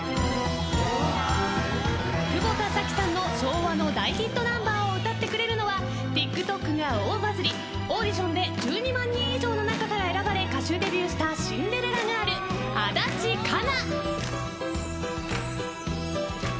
久保田早紀さんの昭和の大ヒットナンバーを歌ってくれるのはＴｉｋＴｏｋが大バズりオーディションで１２万人以上の中から選ばれ歌手デビューしたシンデレラガール足立佳奈！